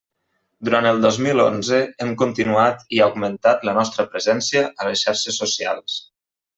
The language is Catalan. Durant el dos mil onze hem continuat i augmentat la nostra presència a les xarxes socials.